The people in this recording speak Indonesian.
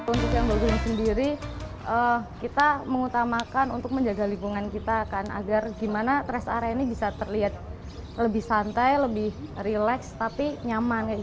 untuk yang bagus sendiri kita mengutamakan untuk menjaga lingkungan kita kan agar gimana rest area ini bisa terlihat lebih santai lebih relax tapi nyaman